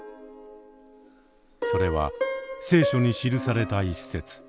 それは聖書に記された一節。